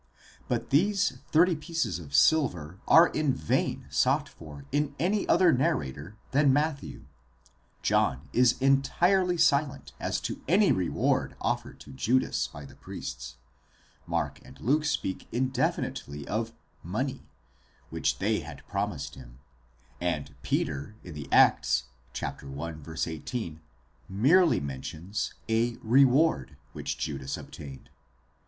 But these thirty pieces of silver are in vain sought for in any other narrator than Matthew. John is entirely silent as to any reward offered to Judas by the priests ; Mark and Luke speak indefinitely of money ἀργύριον, which they had promised him ; and Peter in the Acts (i. 18) merely mentions a reward, puoOds, which Judas obtained.